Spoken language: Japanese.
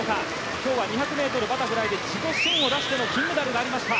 今日は２００ｍバタフライで自己新を出しての金メダルがありました。